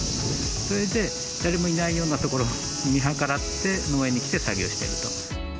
それで、誰もいないようなところを見計らって、農園に来て作業してると。